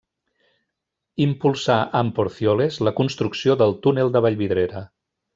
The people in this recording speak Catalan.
Impulsà amb Porcioles la construcció del túnel de Vallvidrera.